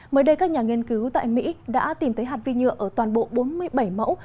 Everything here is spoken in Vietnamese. mới đây các nhà nghiên cứu tại mỹ đã tìm thấy hạt vi nhựa ở toàn bộ bốn mươi bảy mẫu